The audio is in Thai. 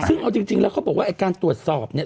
ซึ่งเอาจริงแล้วเขาบอกว่าไอ้การตรวจสอบเนี่ย